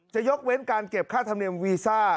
จะยกเว้นการเก็บค่าธรรมเนียมวีซ่า